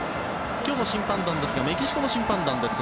今日の審判団はメキシコの審判団です。